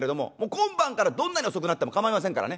今晩からどんなに遅くなっても構いませんからね。